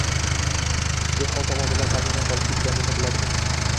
dehqon tomonidan qazilmay qolib ketganini biladimi?